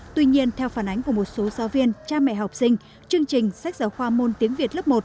tuy nhiên theo phản ánh của một số giáo viên cha mẹ học sinh chương trình sách giáo khoa môn tiếng việt lớp một